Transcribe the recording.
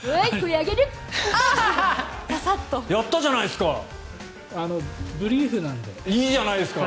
やったじゃないですか。